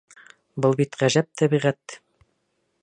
Был бит ғәжәп тәбиғәт!